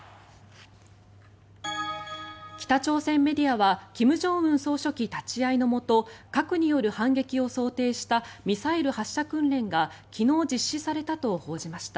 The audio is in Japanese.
北朝鮮メディアは金正恩総書記立ち会いのもと核による反撃を想定したミサイル発射訓練が昨日実施されたと報じました。